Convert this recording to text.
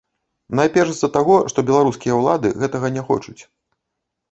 Найперш з-за таго, што беларускія ўлады гэтага не хочуць.